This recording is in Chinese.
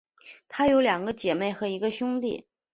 她有两个姐妹和一个兄弟。